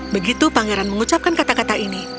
begitu pangeran mengucapkan kata kata ini